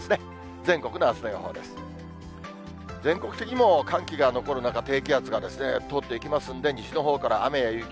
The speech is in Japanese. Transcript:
全国的にも寒気が残る中、低気圧が通っていきますんで、西のほうから雨や雪。